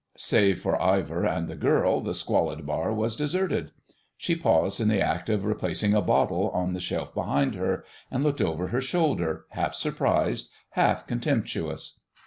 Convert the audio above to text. Save for Ivor and the girl, the squalid bar was deserted. She paused in the act of replacing a bottle on the shelf behind her, and looked over her shoulder, half surprised, half contemptuous.